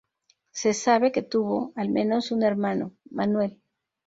Se sabe que tuvo, al menos, un hermano, Manuel.